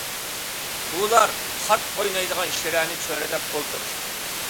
ئۇلار قارت ئوينايدىغان شىرەنى چۆرىدەپ ئولتۇرۇشتى.